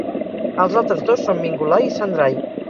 Els altres dos són Mingulay i Sandray.